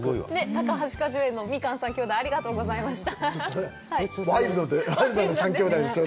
高橋果樹園のみかん３兄弟、ありがとうございました。